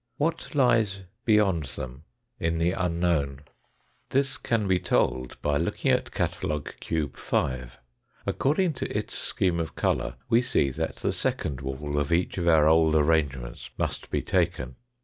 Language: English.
What lies beyond them in the unknown ? This can be told by looking at catalogue cube 5. According to its scheme of colour we see that the second wall of each of our old arrangements must be taken.